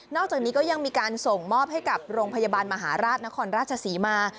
อกจากนี้ก็ยังมีการส่งมอบให้กับโรงพยาบาลมหาราชนครราชศรีมา